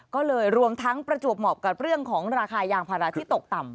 ก็เลยรวมทั้งประจวบเหมาะกับเรื่องของราคายางภาระที่ตกต่ำ